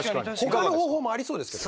ほかの方法もありそうですけど。